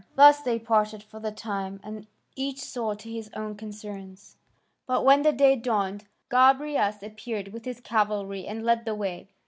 Thus they parted for the time and each saw to his own concerns. But when the day dawned Gobryas appeared with his cavalry and led the way.